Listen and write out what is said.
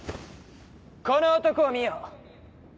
この男を見よ。